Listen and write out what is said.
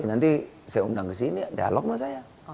nanti saya undang ke sini dialog sama saya